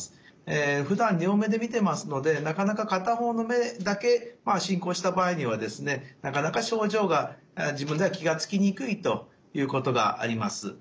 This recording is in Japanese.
えふだん両目で見てますのでなかなか片方の目だけ進行した場合にはですねなかなか症状が自分では気が付きにくいということがあります。